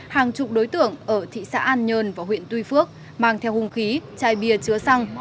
hàng chục đối tượng ở thị xã an nhơn và huyện tuy phước mang theo hung khí chai bia chứa xăng